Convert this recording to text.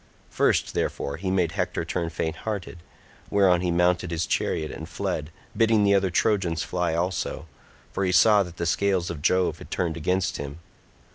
First, therefore, he made Hector turn fainthearted, whereon he mounted his chariot and fled, bidding the other Trojans fly also, for he saw that the scales of Jove had turned against him.